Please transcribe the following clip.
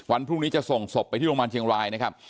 วันพรุ่งนี้จะส่งศพไปที่โรงพยาบาลเชียงรายนะครับ